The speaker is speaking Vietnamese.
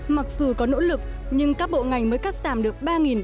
mặc dù có nỗ lực nhưng các bộ ngành mới cắt giảm được ba mươi